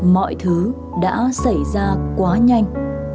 mọi thứ đã xảy ra quá nhanh